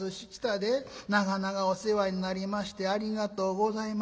『長々お世話になりましてありがとうございました。